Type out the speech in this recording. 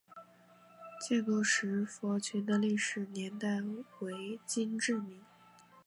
建沟石佛群的历史年代为金至明。